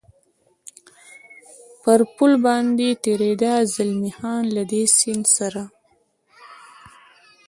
پر پل باندې تېرېده، زلمی خان: له دې سیند سره.